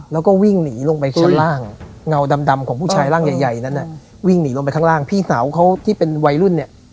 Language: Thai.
แล้วก็วิ่งหนีลงไปชั้นล่างเงาดำของผู้ชายร่างใหญ่นั้นวิ่งหนีลงไปข้างล่างพี่สาวเขาที่เป็นวัยรุ่นเนี่ย